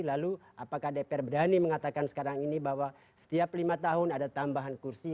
lalu apakah dpr berani mengatakan sekarang ini bahwa setiap lima tahun ada tambahan kursi